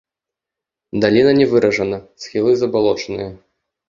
Даліна не выражана, схілы забалочаныя.